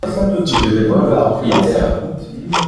Tu devais voir le propriétaire.